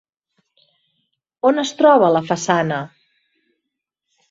On es troba la façana?